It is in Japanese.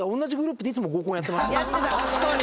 確かに！